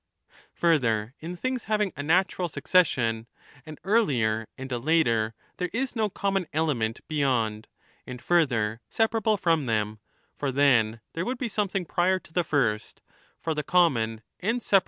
1218* Further, in things having a natural succession, an earlier and a later, there is no common element beyond, and, further, separable from, them, for then there would be something prior to the first ; for the common and separable 16 sq.